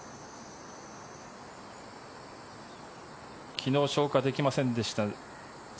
昨日、消化できませんでした